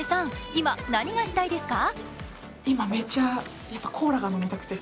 今、何がしたいですか？